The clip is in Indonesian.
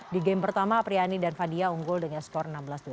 di game pertama apriyani dan fadiyah unggul dengan skor enam belas dua puluh satu